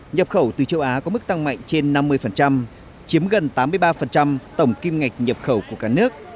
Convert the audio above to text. nhập khẩu từ châu á có mức tăng mạnh trên năm mươi chiếm gần tám mươi ba tổng kim ngạch nhập khẩu của cả nước